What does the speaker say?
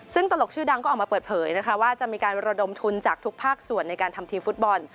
ซึ่งตลกชื่อดังก็ออกมาเปิดเผยนะคะว่าจะมีการระดมทุนจากทุกภาคส่วนในการทำทีมฟุตบอล